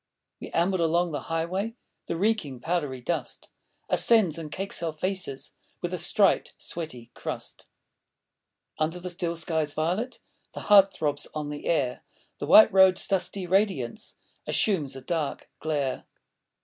We amble along the highway; The reeking, powdery dust Ascends and cakes our faces With a striped, sweaty crust. Under the still sky's violet The heat thróbs on the air.... The white road's dusty radiance Assumes a dark glare.